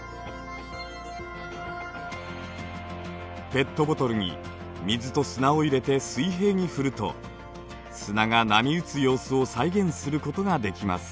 ペットボトルに水と砂を入れて水平に振ると砂が波打つ様子を再現することができます。